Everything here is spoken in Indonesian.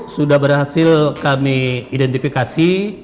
sudah berhasil kami identifikasi